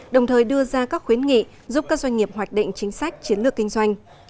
đồng thời đưa ra các khuyến nghị giúp các doanh nghiệp hoạch định chính sách chiến lược kinh doanh